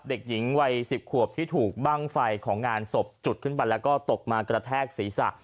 เด็กหญิงวัย๑๐ขวบที่ถูกบ้างไฟของงานศพจุดขึ้นไปแล้วก็ตกมากระแทกศีรษะ